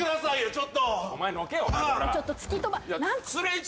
ちょっと。